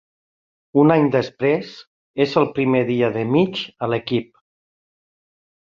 Un any després, és el primer dia de Mitch a l'equip.